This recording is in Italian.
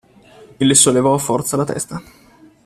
E le sollevò a forza la testa.